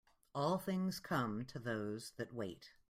All things come to those that wait.